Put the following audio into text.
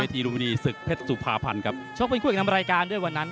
ทีรุมณีศึกเพชรสุภาพันธ์ครับชกเป็นคู่เอกนำรายการด้วยวันนั้น